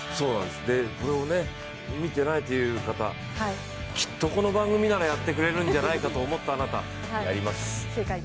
これを見ていないという方きっとこの番組ならやってくれるんじゃないかと思ったあなた、やります。